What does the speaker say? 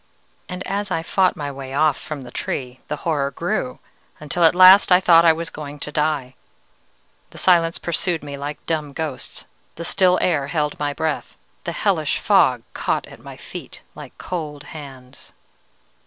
"And as I fought my way off from the Tree, the horror grew, until at last I thought I was going to die. The silence pursued me like dumb ghosts, the still air held my breath, the hellish fog caught at my feet like cold hands.